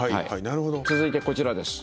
続いてこちらです。